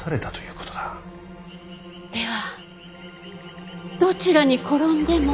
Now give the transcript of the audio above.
ではどちらに転んでも？